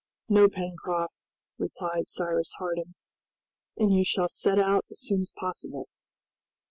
"No, Pencroft," replied Cyrus Harding; "and you shall set out as soon as possible."